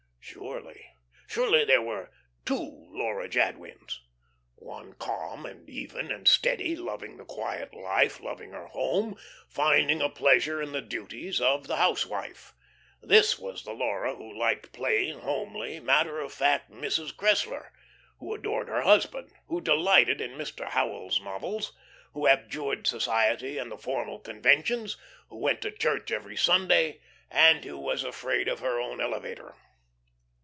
Surely, surely there were two Laura Jadwins. One calm and even and steady, loving the quiet life, loving her home, finding a pleasure in the duties of the housewife. This was the Laura who liked plain, homely, matter of fact Mrs. Cressler, who adored her husband, who delighted in Mr. Howells's novels, who abjured society and the formal conventions, who went to church every Sunday, and who was afraid of her own elevator.